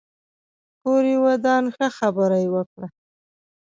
کور يې ودان ښه خبره يې وکړه